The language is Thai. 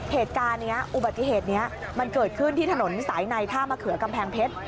เหตุการณ์นี้อุบัติเหตุนี้มันเกิดขึ้นที่ถนนสายในท่ามะเขือกำแพงเพชร